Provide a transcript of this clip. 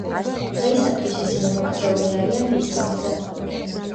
დღეისათვის ისინი მოქცეული არიან ისლამზე.